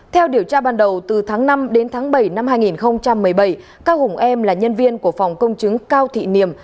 theo điều tra ban đầu từ tháng năm đến tháng bảy năm hai nghìn một mươi bảy cao hùng em là nhân viên của phòng công chứng cao thị niềm